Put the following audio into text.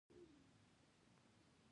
مراتیان په جنګ کې ډیر تکړه وو.